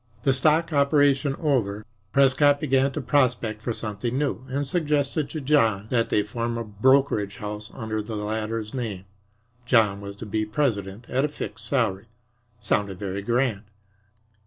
The stock "operation" over, Prescott began to prospect for something new, and suggested to John that they form a brokerage house under the latter's name. John was to be president at "a fixed salary." It sounded very grand.